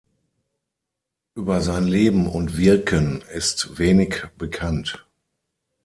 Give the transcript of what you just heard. Über sein Leben und Wirken ist wenig bekannt.